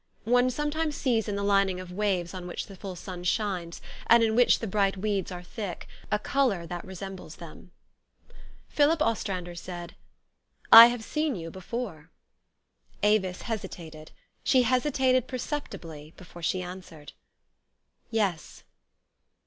One sometimes sees in the lining of waves on which the full sun shines, and in whiclr the bright weeds are thick, a color that resembles them. Philip Ostrander said, u I have seen you before." Avis hesitated : she hesitated perceptibly before she answered. "Yes."